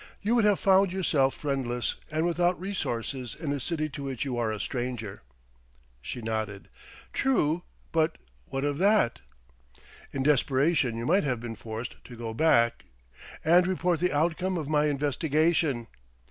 "You would have found yourself friendless and without resources in a city to which you are a stranger." She nodded: "True. But what of that?" "In desperation you might have been forced to go back " "And report the outcome of my investigation!"